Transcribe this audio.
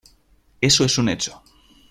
Eso es un hecho".